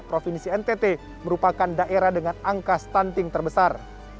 provinsi ntt merupakan daerah dengan angka stunting terbesar